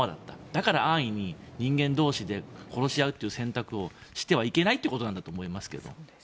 だから安易に人間同士で殺し合うという選択をしてはいけないということなんだと思います。